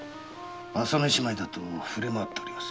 朝メシ前だと触れ回っております。